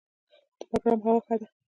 د بګرام هوا ښه ده